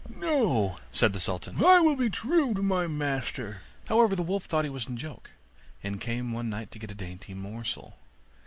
'No,' said the Sultan; 'I will be true to my master.' However, the wolf thought he was in joke, and came one night to get a dainty morsel.